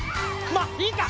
まっいいか！